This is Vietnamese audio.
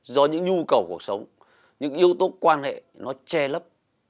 do những nhu cầu cuộc sống những yếu tố quan hệ nó che lấp